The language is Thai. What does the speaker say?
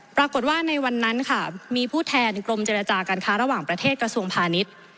ปรากฏว่าในวันนั้นค่ะมีผู้แทนกรมเจรจาการค้าระหว่างประเทศกระทรวงพาณิชย์